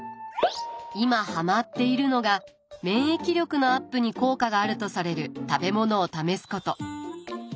今ハマっているのが免疫力のアップに効果があるとされる食べ物を試すこと。